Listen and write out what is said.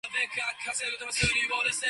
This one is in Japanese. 愛